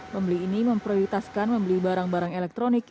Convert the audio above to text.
pembeli ini memprioritaskan membeli barang barang elektronik